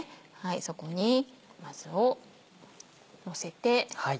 そこに甘酢をのせて。